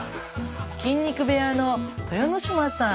筋肉部屋の豊ノ島さん。